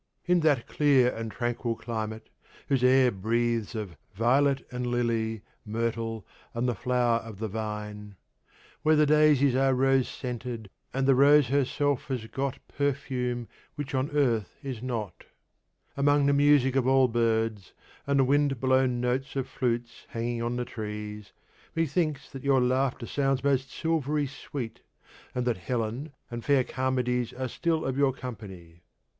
In that clear and tranquil climate, whose air breathes of 'violet and lily, myrtle, and the flower of the vine,' Where the daisies are rose scented, And the Rose herself has got Perfume which on earth is not, among the music of all birds, and the wind blown notes of flutes hanging on the trees, methinks that your laughter sounds most silvery sweet, and that Helen and fair Charmides are still of your company.